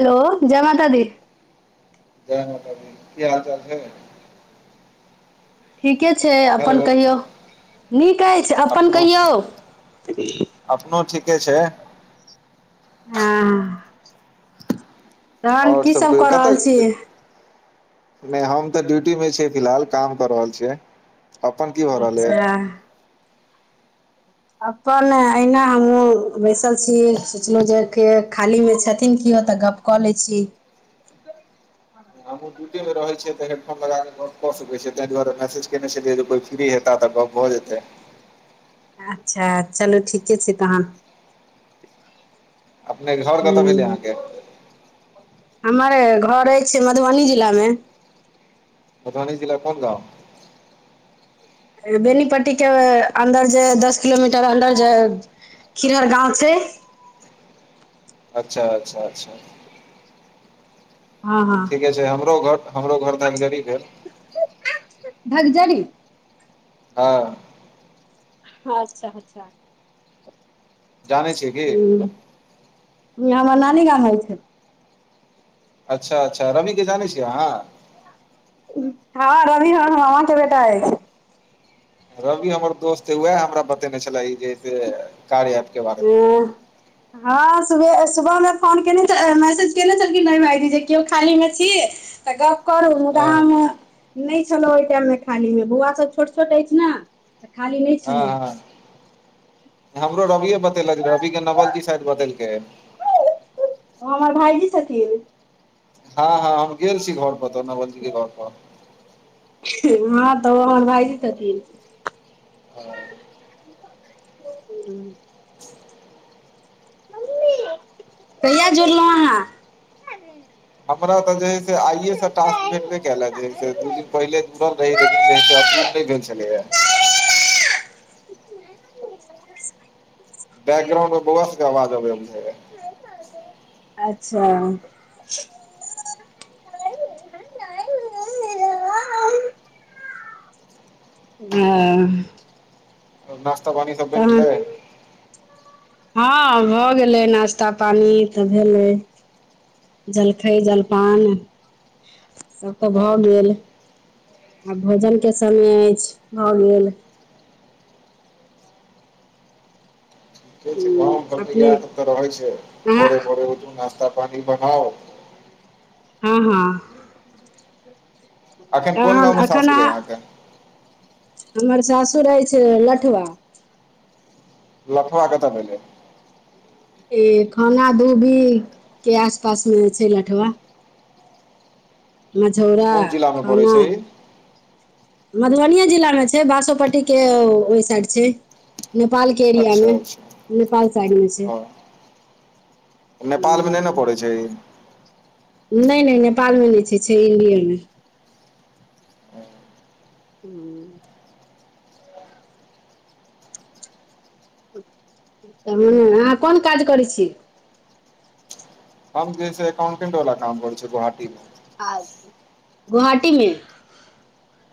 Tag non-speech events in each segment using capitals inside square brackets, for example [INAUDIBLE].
Hello जय मात दी। जय माता दी की हाल चाल हय। ठीके छैय अपन हेलो कहियौ नीक अछि अपन अपनो कहियौ। अपनो ठीके छैय। हँ तहन आओर की सब कहियौ कऽ रहल छी? कतऽ नहि हम तऽ ड्यूटी मे छियै फिलहाल काम कर रहल छियै अपन की भए रहल अच्छा य। अपन एऐना हमहुँ बैसल छी सोचलहु जे खाली मे छथिन कओ तऽ गप कऽ लै छी। ड्यूटी मे रहैत छैय त हेड फोन लगाकऽ ग कऽगप क सकैत छियैाहि दुआरे मैसेज केने छलियै जे कोइ फ्री हेता तऽ गप भऽ जेतै। अच्छा चलू ठीके छैय तहन। अपने घर कतऽ भेलै अहाँके हूं हमर घर अछि मधुबनी जिला मे। मधुबनी जिला कोन गाँव? बेनीपट्टी के अन्दर जे दस किलोमीटर अन्दर जे [UNINTELLIGIBLE] गाँव छै अच्छा अच्छा अच्छा हँ हँ ठीके छै हमरो घर हमरो घर धागजरी भेल धगजरी हँ अच्छा अच्छा जानै छियै की इ हमरा नानी गाम हइ छै [INAUDIBLE] अच्छा अच्छा रवी के जानै छियै अहाँ हँ रवी हमर मामा के बेटा अइछ रवि हमर दोस्त हे वएह हमरा बतेने छले ई जेसे कार्य एप हँ हँ सुबह सुबहमे फोन केने मैसेज केने छलखिन रवी भाायजी जे केओ खाली मे छी तऽ गप करू मुदा हँ हम नै छलहुँ ओहि टाइम मे खाली मे बौआ सब छोट छोट अछि ने तऽ खाली नै हॅं हँ हमरो रवि बतेलक रवि के नवल जी शायद बतेलकै ओ हमर भाईजी छथिन हँ हँ हम गेल छी घर पर तो नवल जी के घर पर हँ त ओ हमर भाईजी छथिन हँ [INAUDIBLE] कहिआा जुड़लहुँ अहाँ हमरा त जही आइे से टास्क भेटबे कयलक जे ह से दू दिन पहिले जुड़ल रही लेकिन जे है से अप्रूव नै भेल छलै हा बैकग्राउंड मे बौआ सबके अवाज अबैय बुझैय अच्छा [INAUDIBLE] हँ नश्ता पानी सब बैन तहन गेलै हँ भऽ गेलै नश्ता पानी तऽ भेलै जलखै जलपान सभ तऽ भऽ गेल आब भोजन के समय अछि भ गेल जे हूँ गाँव घर अपने येह सब तऽ रहै अहाँ छैभोरे भौरे उठु नश्ता पानी बनाउ हँ हँ अखन कोन तहन गाँव मे एखन सासुर अइ अह अहाँके हमर सासुर अछि लठवा लठबा कऽ तऽ भेलै ए खाना दूबी के आसपास मे छै लठवा मझौरा कोन जिलामे पड़ै खाना छै ई मधुबनिए जिलामे छै बासोपट्टीके ओय साइड छै नेपाल के एरियामे अच्छा अच्छा नेपाल साइड मे छै हँ नेपालमे नै ने पड़ैत छै ई नै नै नेपालमे नै छै छै इण्डियएमे हूँ त [UNINTELLIGIBLE] अहाँ कोन काज करै छी। हम जे छै अकाउंटेंट वाला काम करै छीए गोहाटी मे आ गुवाहाटी में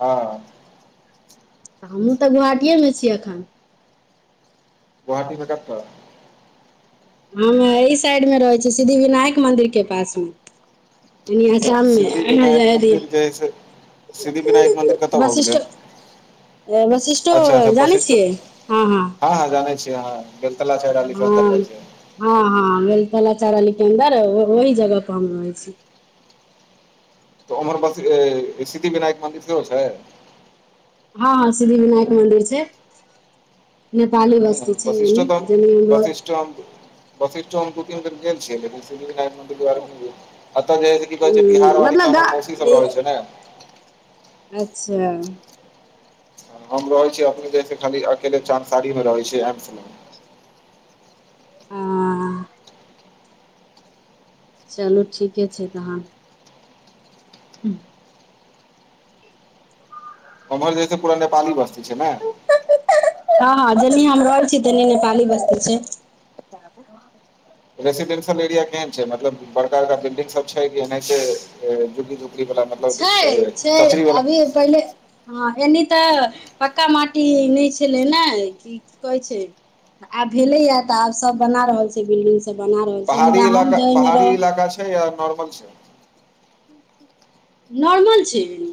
हँ तऽ हमहूँ तऽ गोहाटीएमे छी एखन। गुवाहाटी में कतैऽ हू एहि साइडमे रहैत छीय सिद्धि विनायक मन्दिरके पासमे। अनिए असाममे सिद्धि विनायक मन्दिर जे हइ से सिद्धि विनायक मन्दिर [UNINTELLIGIBLE] कतऽ भऽ गेलै वशिष्ठ वशिष्ठो अच्छा अच्छा जानै छियै हँ हँ छि अहा वेलतरा चेहरा लेके अन्दर हँ जाइ छै। हँ हँ वेलतरा चेहरा लऽ बड़ ओहि जगह पर हम रहै छीय। तऽ ऊमर बास ए सिद्धि विनायक मन्दिर सेहोय छैय। हँ हँ सिद्धि विनायक मंदिर छैय नेपाली बस जै छे एनि [UNINTELLIGIBLE] वशिष्ठ दु तीन बेड़ गेल छिय लेकिन सिद्धी विनायक मंदिर नहि गेल छिय। एतऽ जे है सेी कहै छै बिहार वाड़ी मतलब मऽ गा हमर मौसी सब रहै छैय ने अच्छा। हम रहै छीियै अपने जैस खाली अकेले चंसारी मऽ रहैत छिय एम्स मे। आ चलू ठीके छैय तहन। हू ओमहर जैसे पूरा नेपाल ही बस्तती छैय नहि। हँ हँ जेनेय हम रहे छी तेनेय नेपाली बस्तती छैय। बाबु [UNINTELLIGIBLE] रेसिडेंशियल एरिया केहन छैय मतलब बड़का बड़का बिल्डिंग सब छैय कि एहनाइते छैय। [UNINTELLIGIBLE] छैय छैय अभी पहिले हँ ऐनय तऽ पक्का माटी नहि छलैय ने कि की कहै छैय। आब भेले या तऽ आब सब बना रहल छैय बिल्डिंग सब बना रहल छैय। पहाड़ी इलाका पहाड़ी इलाका छैय या नॉर्मल छैय। [UNINTELLIGIBLE] नॉमल छैय।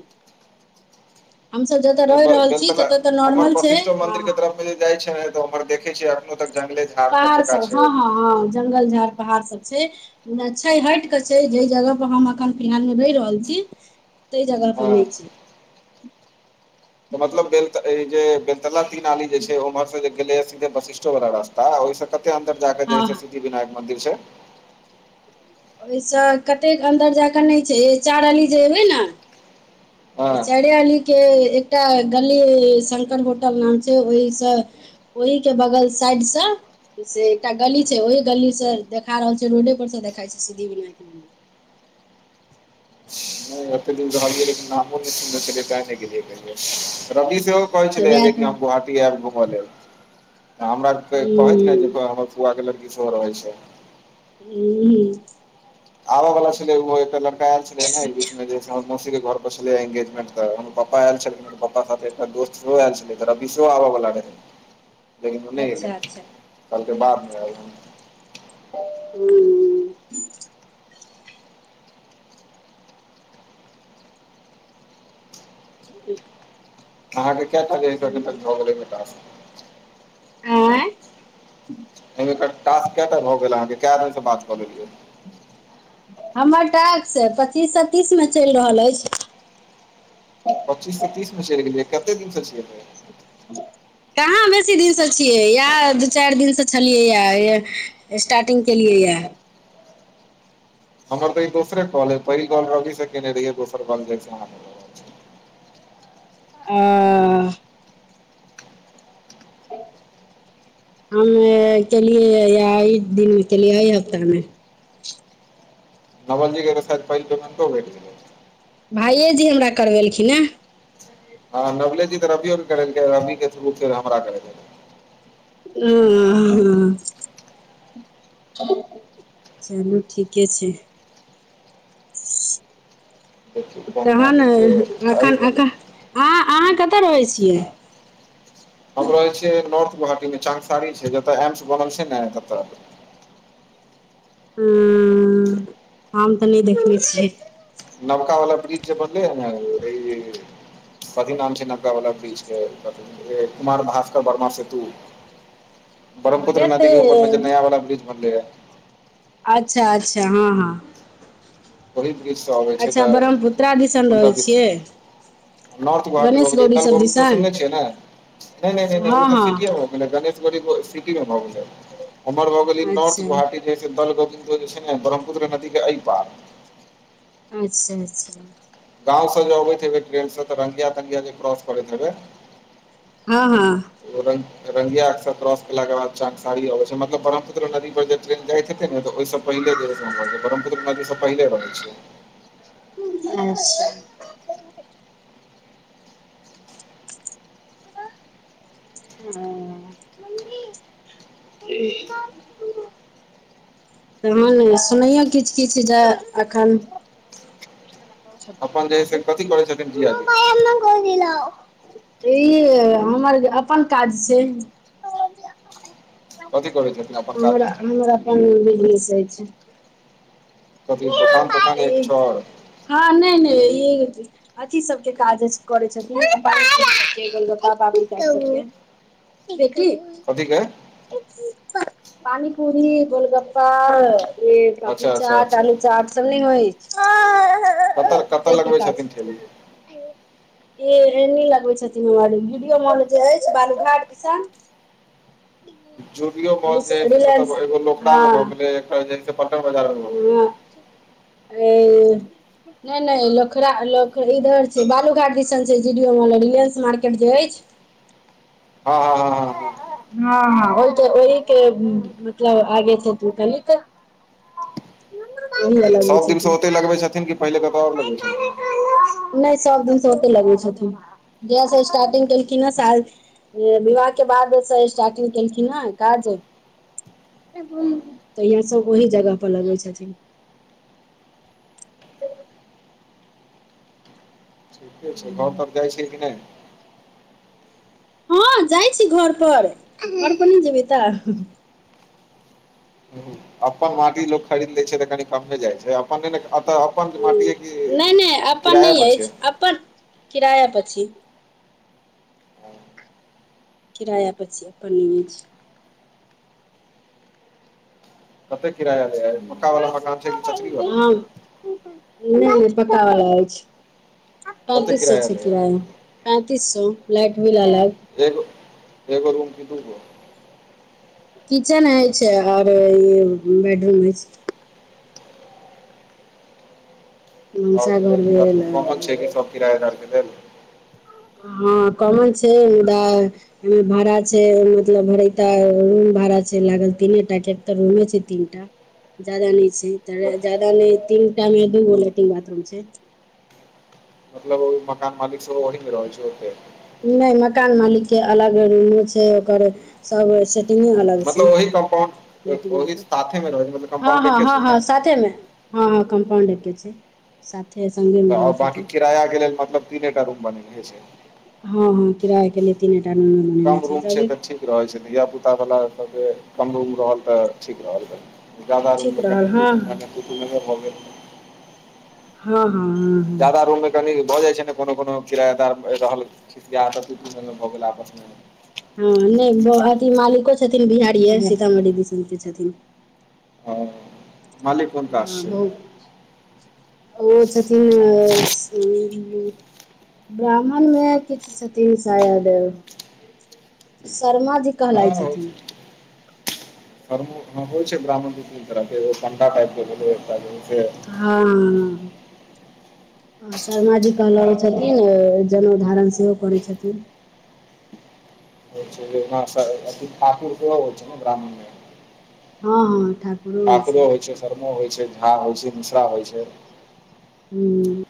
जतऽ रहि नहि रहल छी वेलतला ततऽ तऽ ओमहर नॉर्मल छै वशिष्ठो हँ मन्दिर के हँ तरफ जाइ छै नऽ तऽ ऊम्हर देखे छियै अखनो तक जंगले झाड़ सब पहाड़ जकाँ हँ छैय। हँ हँ जंगल झाड़ पहाड़ सब छैय। मुदा छैय हट कऽ छैय जेहि जगह पर हम एखन फिलहालमे रहि रहल छी। तैई जगह पर नहिै हँ छैय। मतलब ब जे बेलतला तीन आली जे छैय उम्हर से जे गेले। वशिष्ठो वाला रास्ता ओहिस कते अन्दर जाँक जे हँ हँ सिद्धि विनायक मन्दिर छैय। ओहिसँ कतेक अन्दर जाय कऽ नहि छैय चार अली जे एबै ने हँ तऽ चारे अली के एकटा गली शंकर होटल नाम छैय ओहिसँ ओहि कऽ बगल साइड सऽ से एकटा गली छैय ओहि गली से देखा रहल छैय रोडे पर से देखायई छैय सिद्धि विनायक मंन्दिर आते दिन सऽ [UNINTELLIGIBLE] लेकिन नामो नहि सुनले छलये तैय नहि गेलिये कहैयो। रवि सेहो कहै छलै वएह जे कि तऽ हम गुहाटी आयब घुमले। हमरा आर के कहैत ने जे हूँ हमर फुआ के लड़की सब रहै छैय। हू आबऽ वाला छलै उहो एकटा लड़का आल छलै ने बीच मे जे हम मौसीक कऽ घर पर छलै एंगेजमेंट तऽ हमर पापा आल छलै पप्पा साथे एकटा दोस्त सेहो आ छलै तऽ रवि सेहो अबऽ बला रहिय [INAUDIBLE] लेकिन ओ नहि एलेय अच्छा अच्छा कलके बाद मऽ अबिय हम हू [UNINTELLIGIBLE] अहाँ कऽ चलू [UNINTELLIGIBLE] आँय एहिमे टास्क कटा भऽ गेल अहाँके कऽ कए दिन से बात कऽ लेलियै हमर टास्क पच्चीससँ तीस मे चलि रहल अछि पच्चीस सऽ तीस मे चलि गेलियै कते दिनसँ छिये से [UNINTELLIGIBLE] कहाँ बेसी दिनसँ छियै इएह दू चारि दिनसँ छलियै या स्टार्टिंग केलियै यए हमर तऽ ई दोसरे कॉलै ऐय पहिल कॉल रबी सऽ केने रहियै दोसर कॉल भऽ रहल छै ओ [UNINTELLIGIBLE] हमे केलियै दिनमे केलियै एहि हफ्तामे नवल जिे कऽ शायद पहिल पेनेंटो भेट गेलय भाइयेजी हमरा करबेलखिन हे हँ नवलेजी तऽ रबियो के करै रबी के थुरू फेर हमरा कर [UNINTELLIGIBLE] चलू ठीके छै देखियौ कहुना तहन जे छै एखन एहि एखन हँ अहाँ कतऽ रहै छियै हम रहे छिये नारर्थ गोवाहाटी मे चसारी छै जतय एम्स बनल छै ने ततऽ हू हम तऽ नहि देखने छियै नबका वला ब्रिज जे बनले है ने ई कथी नाम छै नका वला ब्रिज के कथि दिन कुमार भास बर्मा सेतु ब्रह्मपुत्र हेतै नदी के ऊपर में जे नया वाला ब्रिज बनले ये अच्छा अच्छा हँ हँ ओहि ब्रिज से अबै छै अच्छा तऽ ब्रह्मपुत्रा दिसन रहै छियै नारर्थ गेवाहाटी गणेश मेय गेल गौरी दल सब गुवाहाटी दिसन सुनने छिय नय नहि नहि हँ उ तऽ हँ सिटी गणेश गी सिटी मे भऽ गेल उमर भऽ गेल नारर्थ अच्छा गुवाहाटी दल गोविन्दो जे छै ने ब्रह्मपुत्र नदी के अ पार अच्छा अच्छा गाँव सँ जे अबैत हे ट्रेन से तऽ रंगगिया तंगगिया जे क्रॉस करैत हेबै हँ हँ रंगिया अ्सर क्रॉसेलला के बाद चसड़ी अबै छै मतलब ब्रहमुत्र नदी पर जब ट्रेन जाइत हेतय ओ सब पहिले जे ब्रहपुत्र नदी सब पहिले रहय छै अच्छा [UNINTELLIGIBLE] तहन सुनैयौ किछु किछु जे एखन अपन जे हइ ाबू से कथी करै छथिन जीजाजी [UNINTELLIGIBLE] ई हमर अपन काज छै कथी करै छथिन अपन हमर काजमे हमर अपन बिजनेस आछि कथी दोकान तोकान या किछु और हँ नहि नहि ई अथी सबके काज करै छथिन [UNINTELLIGIBLE] देखी कथि के [UNINTELLIGIBLE] पानीपूरी गोलगप्पा पापरी अच्छा अच्छा चाट अच्छा आलू चाट सब नहि हो ओय कतऽ कतऽ कऽ लगबै काज छथिन ठेली ए एनी लगबे छथिन हमर वीडियो मॉल जे अछि बालूघाट दिसा जूबो मॉल जे कत रिलायंस एगो लोकड़ा मे हँ भऽ गेलै एक जे पटन बा [UNINTELLIGIBLE] नहि नहि लखड़ा इधर छै बालू घाट दिसन छै जीडी मे रिलायंस मार्केट जे अछि हँ हँ हँ हँ हँ हँ ओहि के मतलब आगे छै त कहली तऽ ओहि लगैबे छथिन लगबे छथिन कि पहिले क नहि सबदिनसँ ओते लगैबे छथिन जहिया सँ स्टारटिंग केलखिन न साल विवाह के बादसँ स्टार्टिंग केलखिन हन काज हँ तहिया सँ ओहि जगह पर लगबे छथिन ठीके छै घर तर जाइ छैिय कि नहि हँ जाइ छी घर पर घर पर नहि जेबै तऽ नहि अपन माटी लोक खरीद लै छै तऽ कनि कममे जाइ छै अपन अपन मटिय ऐय नहि कि किराय पर छै किराय पर छी किराय पर छी अपन नहि अछि कते किराया लेय यऽ पक्का वला मकान छै कि चचरी वाला हँ नहि पका वालला अछि कते पैंतीस सो छै ले है? किराया पैंतीस सए लाइट बिल अलग एगो एगो रूम की दूगे किचेन अछि आओर बेडरूम अछि आ भनसाघर लेटिंग भेल बायरूम कॉमन छै कि सब किराय आरके लेल हऽ कमन छै ओ मुदा एहिमे भाड़ा छै मतलब भड़ रूम भाड़ा छै लागल तीने टा के एक त रूमे छै तीनटा ज्यदा नहि छै तऽ मतलब ज्यदा नहि तीनटा मे दू गो लेट्रिन बाथरूम छै मतलब मकान मालिक सेहो वढ़मे रहल छै ओतय नहि मकान मालिक के अलग रुमो छै ओकर सब अलग छै मतलब ओहि कम्पाउंड ओहि [UNINTELLIGIBLE] साथे मे रहै छै मतलब हँ कम्पाउंड हँ एके हँ छै ने हँ साथे मे हँ हँ कम्पाउंड के छै साथ सगीमे तऽ रहि आओर बाँकी छथिन किराया कऽ लेल मतलब तीनेटा रूम बने छै हँ हँ किराया के लिए तीनेटा रुमे बनेना कम छै रूम जगे तऽ ठीक रहै छै धिया पुता वाला सब के कम उ रहल तऽ ठीक रहल जादा ठीक रूममे रहल कनि हँ द मने नहि भऽ गेल हँ हँ हँ जदा रुममे कनी भऽ जाइ छै ने कोनो कोनो किरायादार रहल खिसियाहात तु तु मेए मेए भऽ गेल आपस मे हँ नहि अथि मालिको छथिन बिहारिये सीतामढ़ी दिसन के छथिन ओ मालिक कोन कास्ट हँ छै बहुत ओ छथिन ब्राह्मणमे किछु छथिन सायद शर्माजी कहलाइ छथिन फ होइ छै ब्राह्मण द तीन तरह केगो कंटा टाइप के एक हँ ह शर्मा जी कहलाबै छथिन जनेउ धारण सेहो करै छथिन [INAUDIBLE] ब्राह्मणमे हँ हँ ठाक ठाकुरो होई छै शर्मो होइ छै झा होइ छै मिश्रा होइ छै हूँ